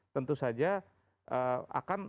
tentu saja akan